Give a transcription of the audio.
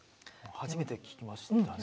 初めて聞きましたね。